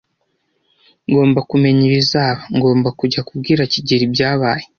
Ngomba kumenya ibizaba. Ngomba kujya kubwira kigeli ibyabaye.